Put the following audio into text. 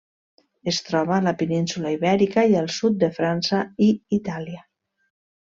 Es troba a la península Ibèrica i al sud de França i Itàlia.